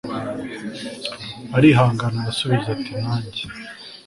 arihangana arasubiza ati nanjye